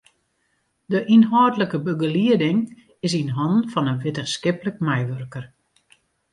De ynhâldlike begelieding is yn hannen fan in wittenskiplik meiwurker.